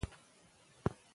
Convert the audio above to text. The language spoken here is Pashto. که بخارۍ وي نو ژمی نه یخیږي.